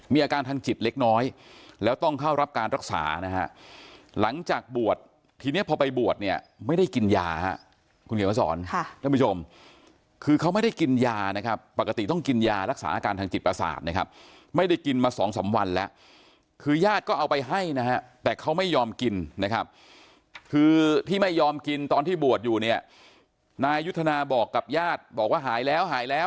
มีอาการทางจิตเล็กน้อยแล้วต้องเข้ารับการรักษานะฮะหลังจากบวชทีเนี้ยพอไปบวชเนี่ยไม่ได้กินยาฮะคุณเขียนมาสอนท่านผู้ชมคือเขาไม่ได้กินยานะครับปกติต้องกินยารักษาอาการทางจิตประสาทนะครับไม่ได้กินมาสองสามวันแล้วคือญาติก็เอาไปให้นะฮะแต่เขาไม่ยอมกินนะครับคือที่ไม่ยอมกินตอนที่บวชอยู่เนี่ยนายยุทธนาบอกกับญาติบอกว่าหายแล้วหายแล้ว